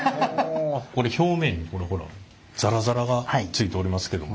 これ表面にこれほらザラザラがついておりますけども。